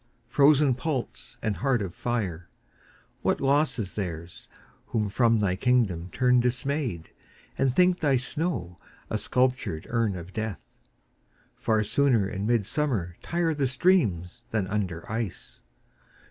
frozen pulse and heart of fire, What loss is theirs who from thy kingdom turn Dismayed, and think thy snow a sculptured urn Of death! Far sooner in midsummer tire The streams than under ice.